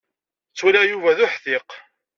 Ttwaliɣ Yuba d uḥdiq.